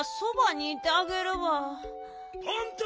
パンタ！